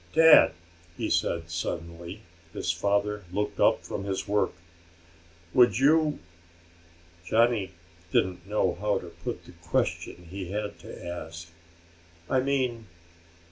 "Dad," he said suddenly. His father looked up from his work. "Would you ?" Johnny didn't know how to put the question he had to ask. "I mean